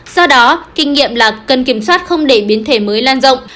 do đó kinh nghiệm là cần kiểm soát không để biến thể mới lan rộng